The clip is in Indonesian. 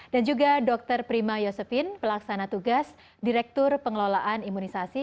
dan juga dokter prima yosefin pelaksana tugas direktur pengelolaan imunisasi